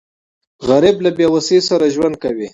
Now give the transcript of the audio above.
غریب له بېوسۍ سره ژوند کوي